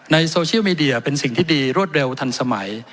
โซเชียลมีเดียเป็นสิ่งที่ดีรวดเร็วทันสมัย